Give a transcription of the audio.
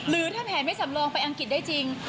ถ้าแผนไม่สำรองไปอังกฤษได้จริง